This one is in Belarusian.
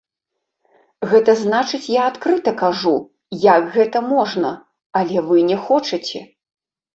Гэта значыць, я адкрыта кажу, як гэта можна, але вы не хочаце!